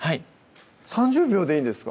３０秒でいいんですか？